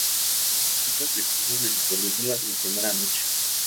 Es la secuela a la película "La primera noche".